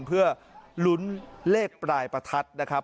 เพื่อลุ้นเลขปลายประทัดนะครับ